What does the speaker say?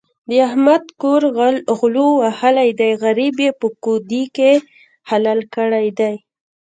د احمد کور غلو وهلی دی؛ غريب يې په کودي کې حلال کړی دی.